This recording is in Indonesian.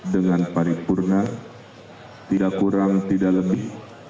dengan paripurna tidak kurang tidak lebih